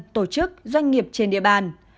tổ chức doanh nghiệp trên địa bàn